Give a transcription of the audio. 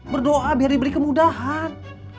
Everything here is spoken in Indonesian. berdoa biar diberi kemudahan